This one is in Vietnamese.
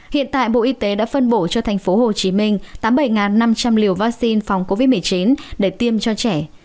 hiện tại bộ y tế đã phân bổ cho thành phố hồ chí minh tám mươi bảy năm trăm linh liều vaccine phòng covid một mươi chín để tiêm cho trẻ